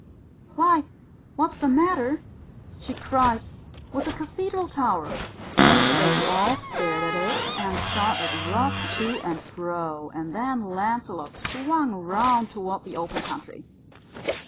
"Why, what's the matter," she cried, "with the cathedral tower?" They all stared at it, and saw it rock to and fro; and then Lancelot swung round toward the open country.